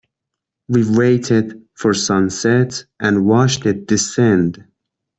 We waited for sunset and watched it descend.